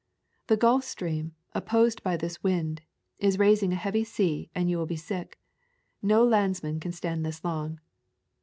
"The Gulf Stream, opposed by this wind, is raising a heavy sea and you will be sick. No landsman can stand this long."